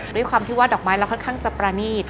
ด้วยความที่ว่าดอกไม้เราค่อนข้างจะประนีต